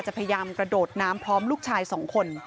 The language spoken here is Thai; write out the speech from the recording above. พยายามกระโดดน้ำพร้อมลูกชาย๒คน